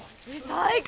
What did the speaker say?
最高！